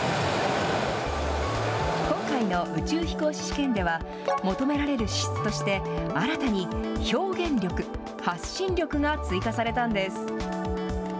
今回の宇宙飛行士試験では、求められる資質として、新たに表現力・発信力が追加されたんです。